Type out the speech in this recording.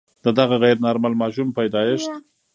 د دغه غیر نارمل ماشوم پیدایښت.